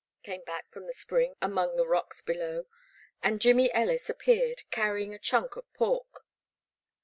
came back from the spring among the rocks below, and Jimmy Ellis ap peared, canying a chunk of pork.